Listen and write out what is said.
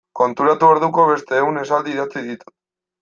Konturatu orduko beste ehun esaldi idatzi ditut.